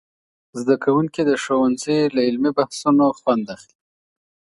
زدهکوونکي د ښوونځي له علمي بحثونو خوند اخلي.